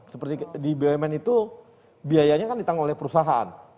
seperti di bumn itu biayanya kan ditanggung oleh perusahaan